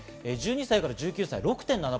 １２歳から１９歳は６．７％です。